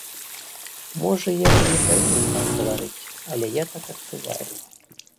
Можа, я і не павінен так гаварыць, але я так адчуваю.